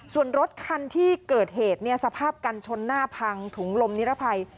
ส่วนรถคันที่เกิดเหตุเนี่ยสภาพกันชนหน้าพังถุงลมนิรภัย